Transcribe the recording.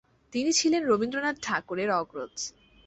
তিনি ছিলেন রবীন্দ্রনাথ ঠাকুরের অগ্রজ।